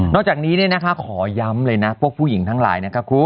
นอกจากนี้ขอย้ำเลยพวกผู้หญิงทั้งหลาย